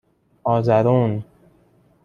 آزرون